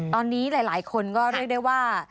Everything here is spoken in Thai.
ตอนนี้หลายคนก็เรียกได้ว่า